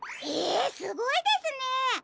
へえすごいですね！